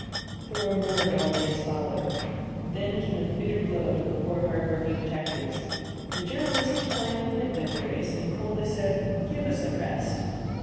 Four more dull days followed. Then came a bitter blow to the poor, hard working detectives the journalists declined to print their theories, and coldly said, "Give us a rest."